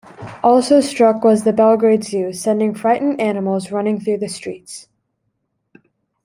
Also struck was the Belgrade Zoo, sending frightened animals running through the streets.